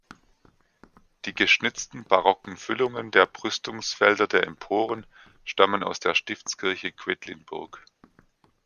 Die geschnitzten barocken Füllungen der Brüstungsfelder der Emporen stammen aus der Stiftskirche Quedlinburg.